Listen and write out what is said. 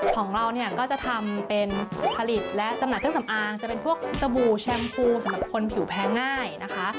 ของเราเนี่ยก็จะทำเป็นผลิตและจำหน่ายเครื่องสำอางจะเป็นพวกสบู่แชมพูสำหรับคนผิวแพ้ง่ายนะคะ